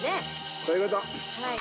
そういうこと。